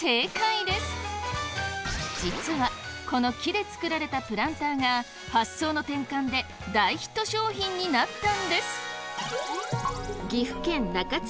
実はこの木で作られたプランターが発想の転換で大ヒット商品になったんです！